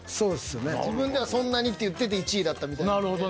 自分ではそんなにって言ってて１位だったみたいで。